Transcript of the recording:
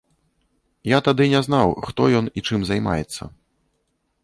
Я тады не знаў, хто ён і чым займаецца.